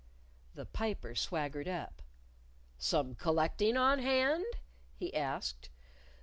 The Piper swaggered up. "Some collecting on hand?" he asked.